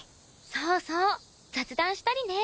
そうそう雑談したりね。